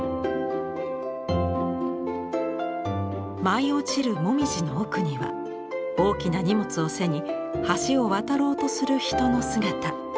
舞い落ちるもみじの奥には大きな荷物を背に橋を渡ろうとする人の姿。